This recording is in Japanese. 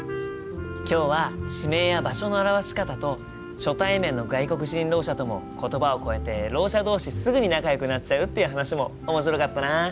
今日は地名や場所の表し方と初対面の外国人ろう者とも言葉を超えてろう者同士すぐに仲よくなっちゃうっていう話も面白かったな。